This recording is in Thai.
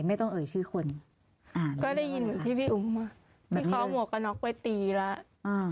ไม่ต้องเอ่ยชื่อคนอ่าก็ได้ยินเหมือนพี่พี่อุ้งมาเขามัวกระน็อกไปตีแล้วอ่า